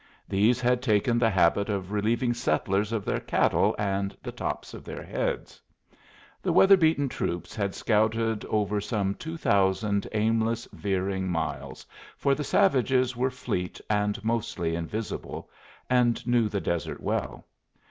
These had taken the habit of relieving settlers of their cattle and the tops of their heads. The weather beaten troops had scouted over some two thousand aimless, veering miles, for the savages were fleet and mostly invisible, and knew the desert well.